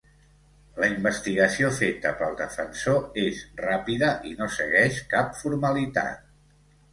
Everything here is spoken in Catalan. La investigació feta pel defensor és ràpida i no segueix cap formalitat.